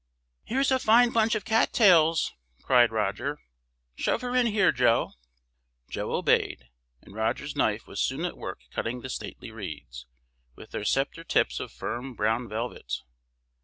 "Here's a fine bunch of cat tails!" cried Roger. "Shove her in here, Joe!" Joe obeyed, and Roger's knife was soon at work cutting the stately reeds, with their sceptre tips of firm, brown velvet.